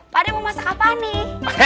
pada mau masak apa nih